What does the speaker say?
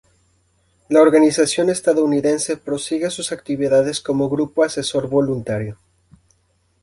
La organización estadounidense prosigue sus actividades como grupo asesor voluntario.